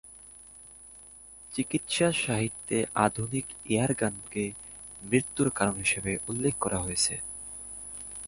চিকিৎসা সাহিত্যে আধুনিক এয়ার গানকে মৃত্যুর কারণ হিসাবে উল্লেখ করা হয়েছে।